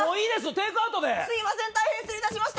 テイクアウトですいません大変失礼いたしました